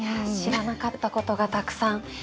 知らなかったことがたくさん。